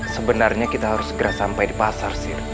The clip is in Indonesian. sebenarnya kita harus segera sampai di pasar sih